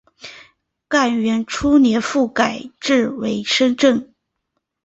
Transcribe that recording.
干元初年复改置为深州。